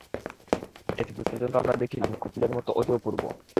এতদূর পর্যন্ত আমরা দেখিলাম, কপিলের মত অতি অপূর্ব।